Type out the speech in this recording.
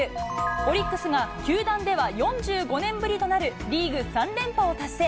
オリックスが球団では４５年ぶりとなるリーグ３連覇を達成。